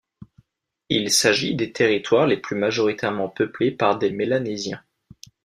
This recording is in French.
Il s'agit des territoires les plus majoritairement peuplés par des Mélanésiens.